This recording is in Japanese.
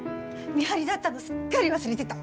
見張りだったのすっかり忘れてた。